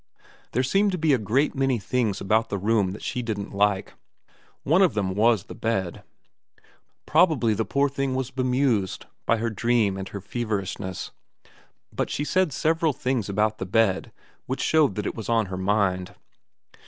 There seemed to be a great many things about the room that she didn't like. One of them was the bed. Prob ably the poor little thing was bemused by her dream and her feverishness, but she said several things about the bed which showed that it was on her mind.